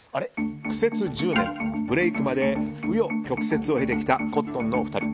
苦節１０年ブレークまで紆余曲折を経てきたコットンのお二人。